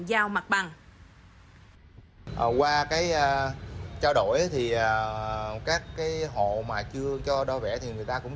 giao mặt bằng